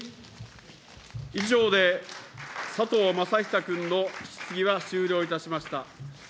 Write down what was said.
以上で佐藤正久君の質疑は終了いたしました。